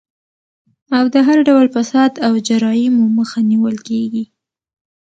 او د هر ډول فساد او جرايمو مخه نيول کيږي